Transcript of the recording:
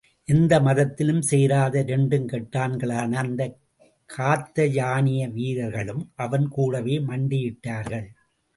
எந்த மதத்திலும் சேராத இரண்டும் கெட்டான்களான அந்த காத்தயானிய வீரர்களும் அவன் கூடவே மண்டியிட்டார்கள்.